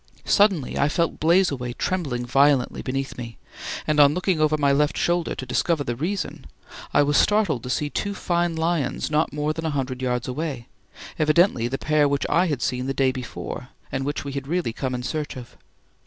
Suddenly I felt "Blazeaway" trembling violently beneath me, and on looking over my left shoulder to discover the reason, I was startled to see two fine lions not more than a hundred yards away, evidently the pair which I had seen the day before and which we had really come in search of.